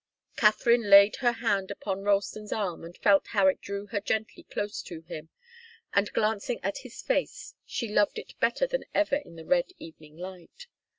Katharine laid her hand upon Ralston's arm, and felt how it drew her gently close to him, and glancing at his face she loved it better than ever in the red evening light.